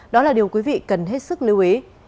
đó là điều quý vị cần hết sức lưu ý